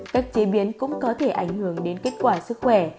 cách chế biến cũng có thể ảnh hưởng đến kết quả sức khỏe